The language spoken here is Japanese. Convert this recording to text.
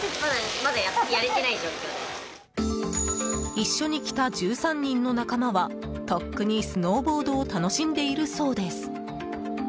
一緒に来た１３人の仲間はとっくにスノーボードを楽しんでいるそうです。